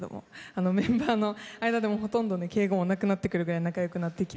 メンバーの間でもほとんどね敬語もなくなってくるぐらい仲よくなってきて。